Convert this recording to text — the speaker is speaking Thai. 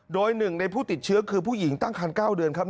โดยหนึ่งในผู้ติดเชื้อคือผู้หญิงตั้งคัน๙เดือนครับ